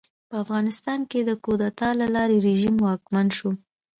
په افغانستان کې د کودتا له لارې رژیم واکمن شو.